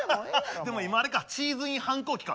でも今あれかチーズイン反抗期か。